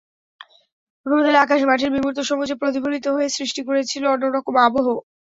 রোদেলা আকাশ মাঠের বিমূর্ত সবুজে প্রতিফলিত হয়ে সৃষ্টি করেছিল অন্য রকম আবহ।